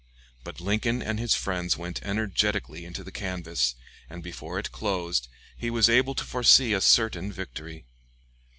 But Lincoln and his friends went energetically into the canvass, and before it closed he was able to foresee a certain victory.